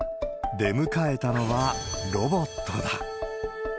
出迎えたのはロボットだ。